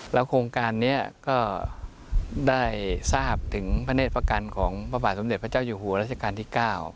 โครงการนี้ก็ได้ทราบถึงพระเนธประกันของพระบาทสมเด็จพระเจ้าอยู่หัวราชการที่๙